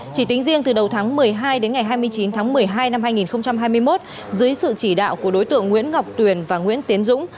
chỉ tính riêng từ đầu tháng một mươi hai đến ngày hai mươi chín tháng một mươi hai năm hai nghìn hai mươi một dưới sự chỉ đạo của đối tượng nguyễn ngọc tuyền và nguyễn tiến dũng